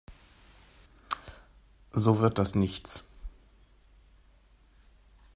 So wird das nichts.